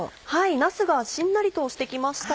なすがしんなりとして来ました。